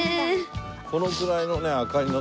このくらいのね明かりの時のね